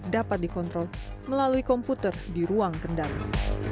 dapat dikontrol melalui komputer di ruang kendali